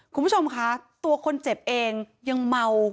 คุณผู้ชมคะตัวคนเจ็บเองยังเมา